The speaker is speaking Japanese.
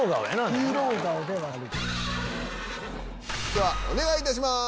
ではお願いいたします！